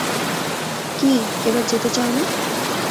কী, এবার যেতে চাও না?